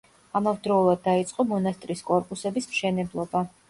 ამავდროულად დაიწყო მონასტრის კორპუსების მშენებლობა.